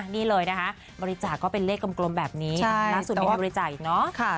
นี่เลยนะคะบริจาคก็เป็นเลขกลมแบบนี้ล่าสุดมีบริจาคอีกเนอะ